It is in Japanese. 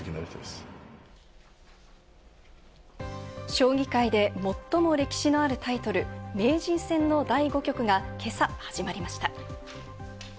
将棋界で最も歴史のあるタイトル、名人戦の第５局が今朝、始まりました。